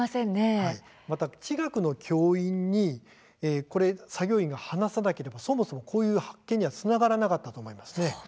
また地学の教員に作業員が話さなければ、そもそもこういう発見にはつながらなかったと思います。